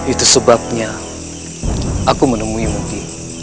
itu sebabnya aku menemuimu ki